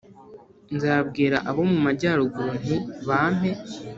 Nzabwira abo mu majyaruguru nti ’Bampe’,